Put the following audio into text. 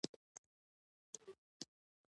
• د انګورو شیره خوږه وي.